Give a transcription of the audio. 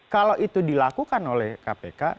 kalau itu dilakukan oleh kpk